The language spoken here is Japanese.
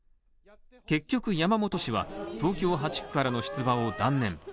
結局、山本氏は東京８区からの出馬を断念。